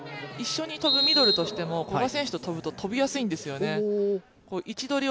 一緒に跳ぶミドルとしても古賀選手と跳ぶと跳びやすいんですよね。